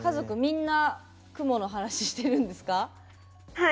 はい。